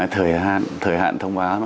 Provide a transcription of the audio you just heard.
thời hạn thông báo